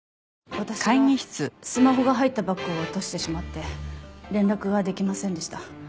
私がスマホが入ったバッグを落としてしまって連絡ができませんでした。